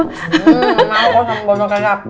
hmm kenapa lo sampe botol kecap